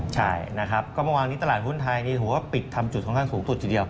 ใช่วางวันนี้ตลาดหุ้นไทยถือว่าปิดจะทำจุดค่อนข้างสูงสุดอยู่เดียว